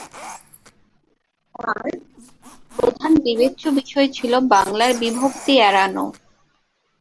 তাঁর প্রধান বিবেচ্য বিষয় ছিল বাংলার বিভক্তি এড়ানো।